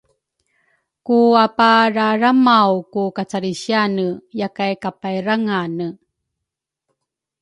ku apararamaw ku kacalrisiane yakay kapairangane